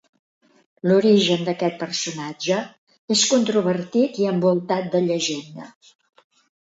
L'origen d'aquest personatge és controvertit i envoltat de llegenda.